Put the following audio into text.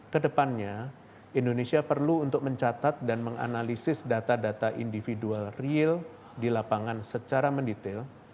kedepannya indonesia perlu untuk mencatat dan menganalisis data data individual real di lapangan secara mendetail